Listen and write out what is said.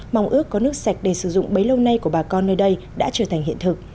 mong ước có nước sạch để sử dụng bấy lâu nay của bà con nơi đây đã trở thành hiện thực